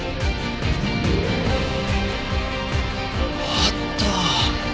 あった！